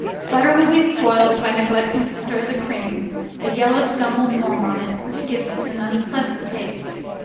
Butter will be spoiled by neglecting to stir the cream, a yellow scum will form on it, which gives it an unpleasant taste.